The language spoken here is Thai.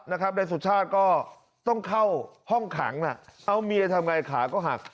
นายสุชาติก็ต้องเข้าห้องขังเอาเมียทำไงขาก็หัก